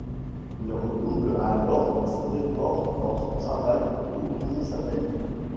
Il redouble alors ses efforts dans son travail pour oublier sa peine.